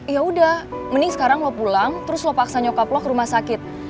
ya udah mending sekarang lo pulang terus lo paksa nyokap lo ke rumah sakit